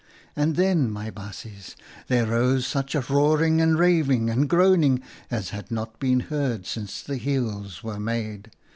"And then, my baasjes, there arose such a roaring and raving and groaning as had not been heard since the hills were made.